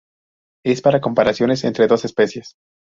Es para comparaciones entre dos especies.